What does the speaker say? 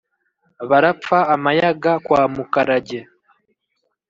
Barapfa Amayaga kwa Mukarage